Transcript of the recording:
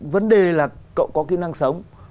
vấn đề là cậu có kỹ năng sống